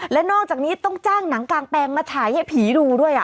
และนอกจากนี้ต้องจ้างหนังกางแปลงมาฉายให้ผีดูด้วย